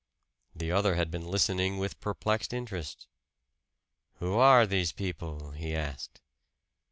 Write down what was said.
The other had been listening with perplexed interest. "Who are these people?" he asked.